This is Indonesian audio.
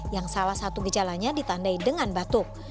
yang salah satu gejalanya ditandai dengan batuk